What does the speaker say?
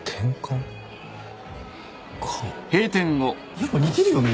やっぱ似てるよね。